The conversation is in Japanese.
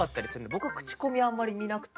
僕口コミあんまり見なくて。